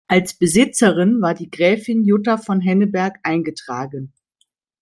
Als Besitzerin war die Gräfin Jutta von Henneberg eingetragen.